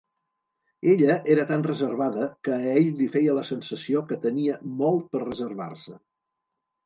Ella era tan reservada que a ell li feia la sensació que tenia molt per reservar-se.